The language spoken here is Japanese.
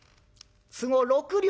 都合６両